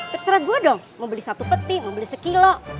terserah gue dong mau beli satu peti mau beli sekilo